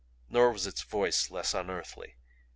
Nor was its voice less unearthly.